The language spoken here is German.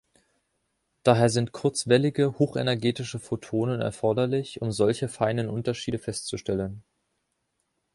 Daher sind kurzwellige, hochenergetische Photonen erforderlich, um solche feinen Unterschiede festzustellen.